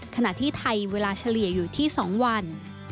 ขณะที่ไทยเวลาเฉลี่ยอยู่ที่๒วัน